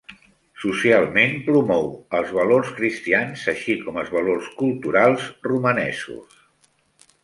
Socialment, promou els valors cristians així com els valors culturals romanesos.